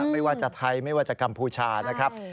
ไม่ว่าจะไทยไม่ว่าจะกัมพูชานะครับ